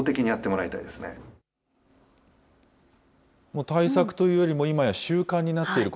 もう対策というよりも、今や習慣になっている